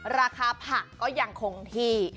ราคาผักก็ยังคงที่